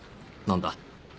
何だ？